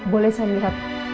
boleh saya melihat